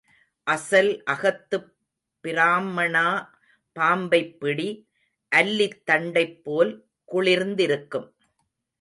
அசல் அகத்துப் பிராம்மணா பாம்பைப் பிடி, அல்லித் தண்டைப் போல் குளிர்ந்திருக்கும்.